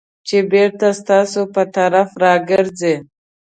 چې بېرته ستاسو په طرف راګرځي .